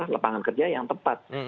lepangan kerja yang tepat